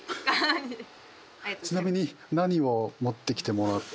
ちなみに何を持ってきてもらった？